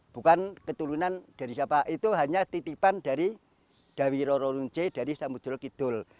bukan keturunan dari siapa itu hanya titipan dari dawiro ronce dari samudjol kidul